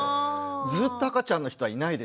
ずっと赤ちゃんの人はいないですから。